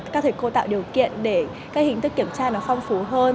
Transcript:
các thầy cô tạo điều kiện để các hình thức kiểm tra nó phong phú hơn